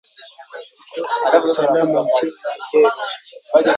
Vikosi vya usalama nchini Nigeria